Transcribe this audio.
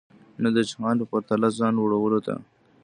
نه د جهان په پرتله ځان لوړولو ته.